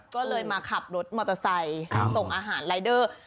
ก็เลยมาขับรถมอเตอร์ไซค์ส่งอาหารรายเดอร์